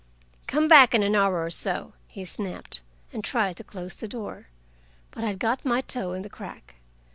"Come back in an hour or so," he snapped, and tried to close the door. But I had got my toe in the crack.